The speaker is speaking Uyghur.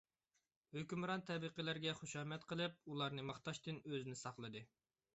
ھۆكۈمران تەبىقىلەرگە خۇشامەت قىلىپ، ئۇلارنى ماختاشتىن ئۆزىنى ساقلىدى.